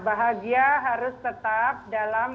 bahagia harus tetap dalam